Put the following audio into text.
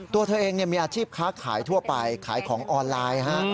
ตัวเธอเองมีอาชีพค้าขายทั่วไปขายของออนไลน์